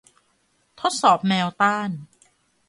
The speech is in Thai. ทดสอบแมวต้าน